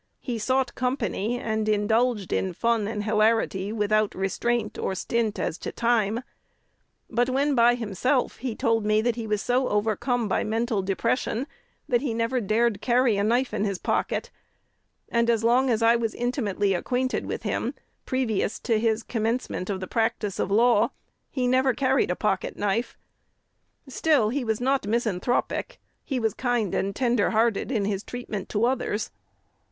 He sought company, and indulged in fun and hilarity without restraint, or stint as to time; but when by himself, he told me that he was so overcome by mental depression that he never dared carry a knife in his pocket; and as long as I was intimately acquainted with him, previous to his commencement of the practice of the law, he never carried a pocket knife. Still he was not misanthropic: he was kind and tender hearted in his treatment to others.